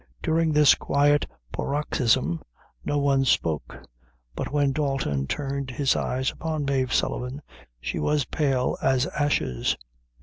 During this quiet paroxysm no one spoke; but when Dalton turned his eyes upon Mave Sullivan, she was pale as ashes.